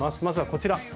まずはこちら。